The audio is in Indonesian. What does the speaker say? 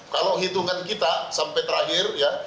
kalau hitungan kita sampai terakhir ya